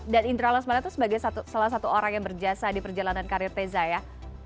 dan intralesmana tuh sebagai salah satu orang yang berjasa di perjalanan karir teza ya